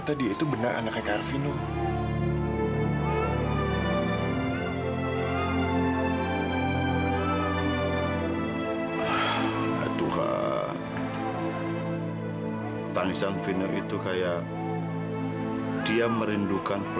sampai jumpa di video selanjutnya